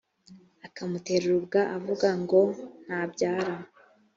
akamutera urubwa avuga ngo ntabyara